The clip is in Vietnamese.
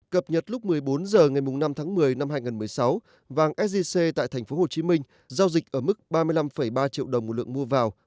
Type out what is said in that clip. cập nhật lúc một mươi bốn h ngày năm tháng một mươi năm hai nghìn một mươi sáu vàng sgc tại tp hcm giao dịch ở mức ba mươi năm ba triệu đồng một lượng mua vào